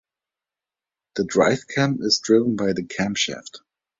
The drive cam is driven by the camshaft.